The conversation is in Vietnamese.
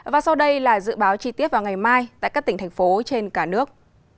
và sau đây là dự báo chi tiết vào ngày mai tại các tỉnh thành phố trên cả nước